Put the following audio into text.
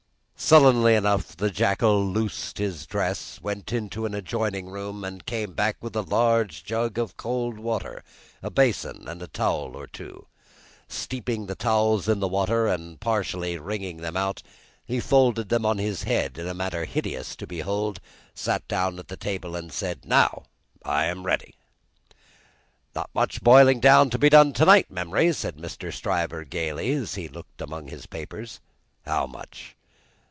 Sullenly enough, the jackal loosened his dress, went into an adjoining room, and came back with a large jug of cold water, a basin, and a towel or two. Steeping the towels in the water, and partially wringing them out, he folded them on his head in a manner hideous to behold, sat down at the table, and said, "Now I am ready!" "Not much boiling down to be done to night, Memory," said Mr. Stryver, gaily, as he looked among his papers. "How much?"